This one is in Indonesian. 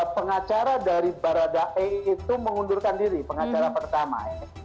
pengacara dari baradae itu mengundurkan diri pengacara pertama